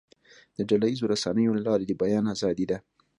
د ډله ییزو رسنیو له لارې د بیان آزادي ده.